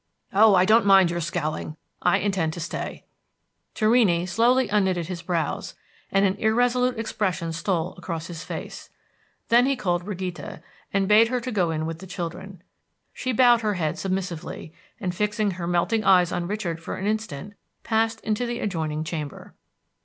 Oh, I don't mind your scowling; I intend to stay." Torrini slowly unknitted his brows, and an irresolute expression stole across his face; then he called Brigida, and bade her go in with the children. She bowed her head submissively, and fixing her melting eyes on Richard for an instant passed into the adjoining chamber.